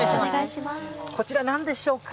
こちら、なんでしょうか。